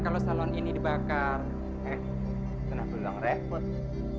kalau salon ini dibakar eh kenapa luang repot